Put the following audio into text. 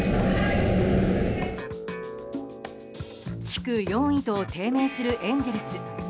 地区４位と低迷するエンゼルス。